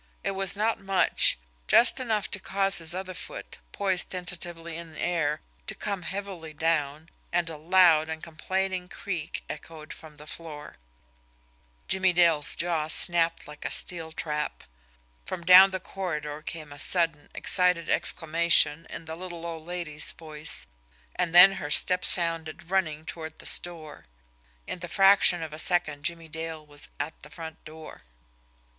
It was not much just enough to cause his other foot, poised tentatively in air, to come heavily down, and a loud and complaining creak echoed from the floor. Jimmie Dale's jaws snapped like a steel trap. From down the corridor came a sudden, excited exclamation in the little old lady's voice, and then her steps sounded running toward the store. In the fraction of a second Jimmie Dale was at the front door.